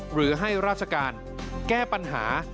หรือให้ราชการแก้ปัญหา